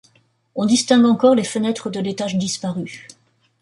On distingue encore les fenêtres de l’étage disparu.